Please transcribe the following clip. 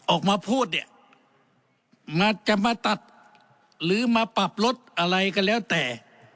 ออกมาพูดเนี่ยจะมาตัดหรือมาปรับลดอะไรก็แล้วแต่